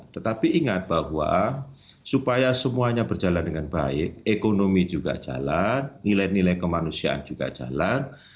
tetapi ingat bahwa supaya semuanya berjalan dengan baik ekonomi juga jalan nilai nilai kemanusiaan juga jalan